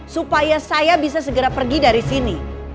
supaya saya bisa segera pergi dari sini